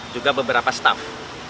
juga beberapa staff